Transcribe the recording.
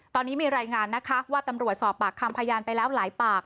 ตอนนี้มีรายงานนะคะว่าตำรวจสอบปากคำพยานไปแล้วหลายปาก